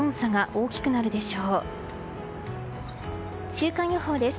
週間予報です。